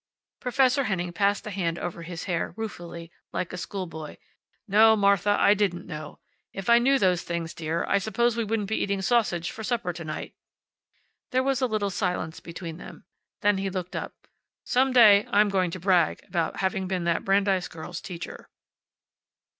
Professor Henning passed a hand over his hair, ruefully, like a school boy. "No, Martha, I didn't know. If I knew those things, dear, I suppose we wouldn't be eating sausage for supper to night." There was a little silence between them. Then he looked up. "Some day I'm going to brag about having been that Brandeis girl's teacher."